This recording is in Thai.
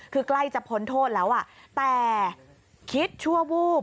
คือใกล้จะพ้นโทษแล้วแต่คิดชั่ววูบ